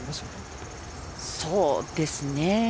そうですね。